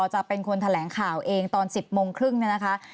จะเป็นคนแถลงข่าวเองตอน๑๐โมงครึ่งเนี่ยนะคะ